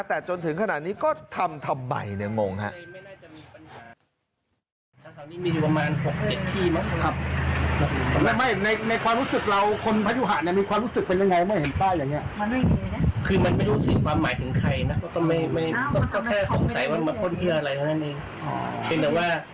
แต่จนถึงขนาดนี้ก็ทำทำไมเนี่ยงงครับ